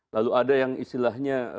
lalu ada yang istilahnya